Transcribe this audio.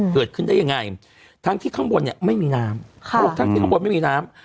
เกิดขึ้นได้ยังไงทั้งที่ข้างบนเนี่ยไม่มีน้ำเขาบอกทั้งที่ข้างบนไม่มีน้ำ